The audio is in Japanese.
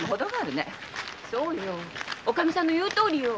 そうよおかみさんの言うとおりよ。